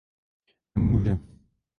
Nemůže.